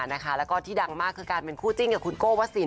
และที่ดังมากก็คือการเป็นขราบคู่จิ้งกับคุณโกวัสดิ์ศิลป์